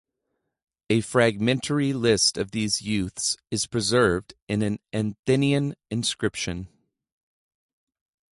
A fragmentary list of these youths is preserved in an Athenian inscription.